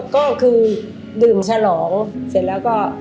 ก็คือดื่มฉลองเสร็จแล้วก็